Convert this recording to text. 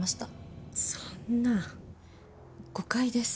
そんな誤解です。